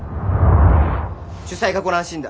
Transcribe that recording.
主宰がご乱心だ。